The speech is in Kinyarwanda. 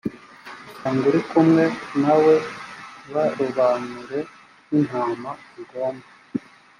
usanga uri kumwe nawe barobanure nk intama zigomba